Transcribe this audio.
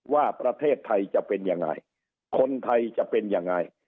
ว่าประเทศไทยจะเป็นยังไงคนไทยจะเป็นยังไง